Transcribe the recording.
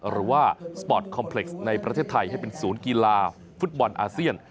หรือว่าสปอร์ตคอมเพล็กซ์ในประเทศไทยให้เป็นศูนย์กีฬาฟุตบอลอาเซียน